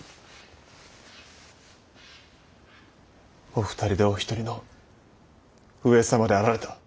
お二人でお一人の上様であられた。